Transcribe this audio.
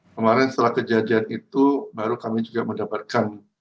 kemarin setelah kejadian itu baru kami juga mendapatkan